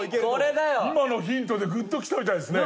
今のヒントでグッときたみたいですね。